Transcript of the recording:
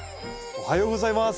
おはようございます。